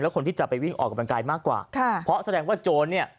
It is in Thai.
คนที่จะไปวิ่งออกกำลังกายมากกว่าค่ะเพราะแสดงว่าโจรเนี่ย